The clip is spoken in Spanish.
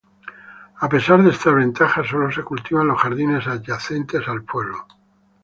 A pesar de estas ventajas, solo se cultivan los jardines adyacentes al pueblo".